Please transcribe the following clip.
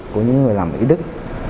của những người làm ý đức